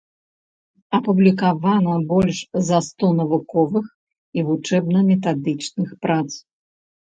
Апублікавана больш за сто навуковых і вучэбна-метадычных прац.